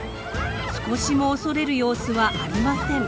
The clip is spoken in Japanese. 少しも恐れる様子はありません。